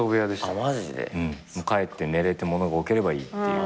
帰って寝れて物が置ければいいっていう。